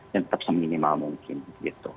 dan tetap seminimal mungkin gitu